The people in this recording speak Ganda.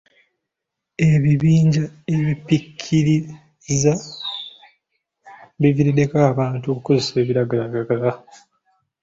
Ebibinja ebipikiriza biviiriddeko abantu okukozesa ebiragalalagala.